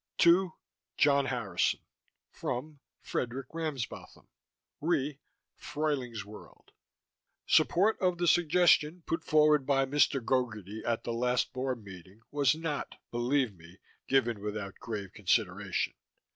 TO: John Harrison FROM: Fredk. Ramsbotham RE: Fruyling's World ... Support of the suggestion put forward by Mr. Gogarty at the last Board meeting was not, believe me, given without grave consideration.